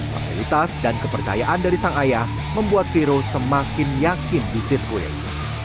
fasilitas dan kepercayaan dari sang ayah membuat viro semakin yakin di seatquil